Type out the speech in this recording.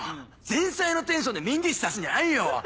前菜のテンションでメインディッシュ出すんじゃないよ！